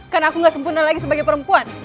karena aku gak sempurna lagi sebagai perempuan